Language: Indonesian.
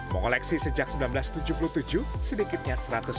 mengoleksi sejak seribu sembilan ratus tujuh puluh tujuh sedikitnya seratus barang antik